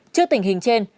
trước tình hình trên